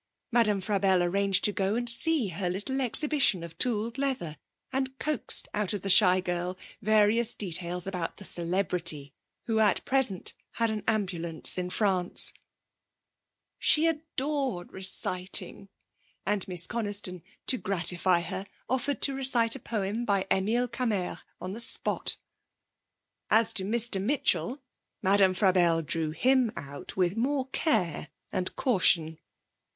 Madame Frabelle arranged to go and see her little exhibition of tooled leather, and coaxed out of the shy girl various details about the celebrity, who at present had an ambulance in France. She adored reciting, and Miss Coniston, to gratify her, offered to recite a poem by Emile Cammaerts on the spot. As to Mr. Mitchell, Madame Frabelle drew him out with more care and caution.